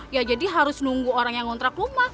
ya jadi harus nunggu orang yang ngontrak rumah